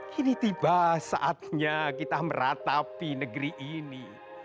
kini tiba saatnya kita meratapi negeri ini